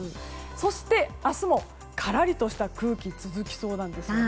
そして明日もからりとした空気が続きそうなんですよね。